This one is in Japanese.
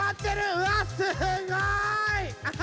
うわっすごい！